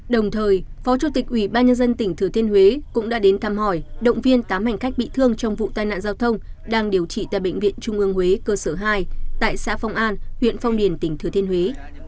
đồng thời phó chủ tịch ủy ban nhân dân tỉnh thừa thiên huế cũng đã đến thăm hỏi động viên tám hành khách bị thương trong vụ tai nạn giao thông đang điều trị tại bệnh viện trung ương huế cơ sở hai tại xã phong an huyện phong điền tỉnh thừa thiên huế